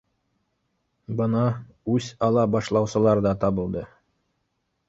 Бына үс ала башлаусылар ҙа габылды